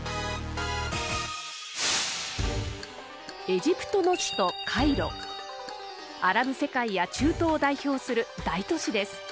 エジプトのアラブ世界や中東を代表する大都市です。